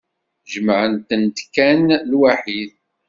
Jemɛemt-tent kan lwaḥid.